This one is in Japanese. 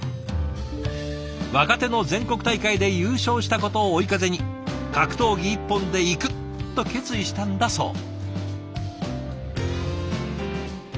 若手の全国大会で優勝したことを追い風に格闘技一本でいくと決意したんだそう。